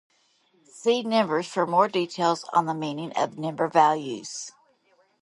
See nimbers for more details on the meaning of nimber values.